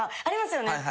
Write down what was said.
ありますよね。